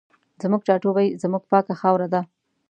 زموږ ټاټوبی زموږ پاکه خاوره ده